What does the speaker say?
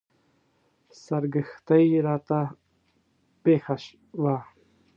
سرګښتۍ راته پېښه وه.